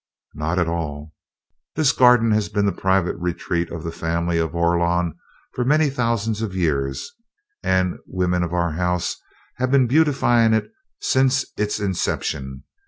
"Not at all. This garden has been the private retreat of the family of Orlon for many thousands of years, and women of our house have been beautifying it since its inception.